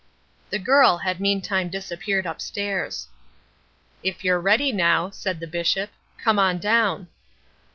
"The girl had meantime disappeared upstairs. "'If you're ready now,' said the Bishop, 'come on down.'